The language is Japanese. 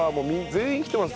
全員来てます。